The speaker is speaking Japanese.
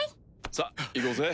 さっ行こうぜ。